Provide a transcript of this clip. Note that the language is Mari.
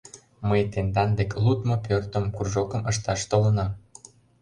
— Мый тендан дек лудмо пӧртым, кружокым ышташ толынам.